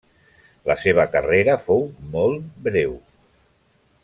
La seva carrera fou molt breu.